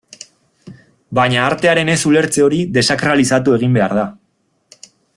Baina, artearen ez-ulertze hori desakralizatu egin behar da.